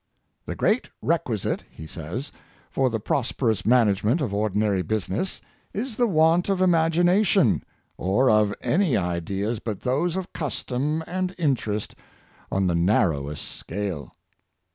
"The great requisite," he says, " for the prosperous management of ordinary business is the want of imagination, or of any ideas but those of custom and interest on the narrowest scale."